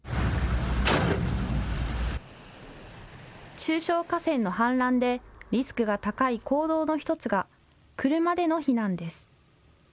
中小河川の氾濫でリスクが高い行動の１つが車での避難です。